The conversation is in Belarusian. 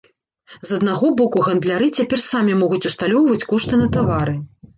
З аднаго боку, гандляры цяпер самі могуць усталёўваць кошты на тавары.